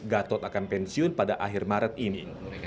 gatot akan pensiun pada akhir maret ini